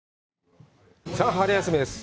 さあ、春休みです！